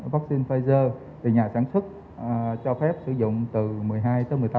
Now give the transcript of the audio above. vaccine pfizer thì nhà sản xuất cho phép sử dụng từ một mươi hai một mươi tám tuổi